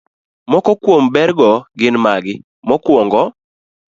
Moko kuom bergo gin magi: Mokwongo,